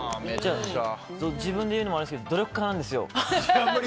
自分で言うのもあれですけど努力家なんですよ。